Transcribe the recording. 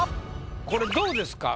これどうですか？